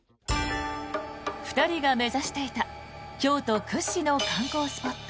２人が目指していた京都屈指の観光スポット